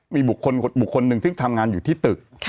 มีบุคคลหนึ่งซึ่งทำงานอยู่ที่ตึก